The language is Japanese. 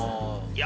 いや